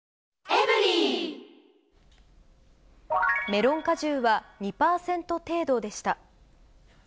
メロン果汁は２％程度でした。